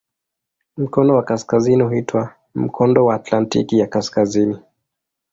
Mkono wa kaskazini huitwa "Mkondo wa Atlantiki ya Kaskazini".